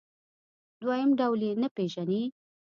دویم ډول یې نه پېژني.